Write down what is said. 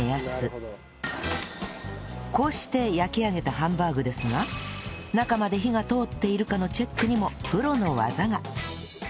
こうして焼き上げたハンバーグですが中まで火が通っているかのチェックにもプロの技が